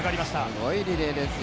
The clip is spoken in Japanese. すごいリレーですよ。